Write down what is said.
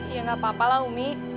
ya nggak apa apa lah umi